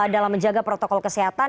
dalam menjaga protokol kesehatan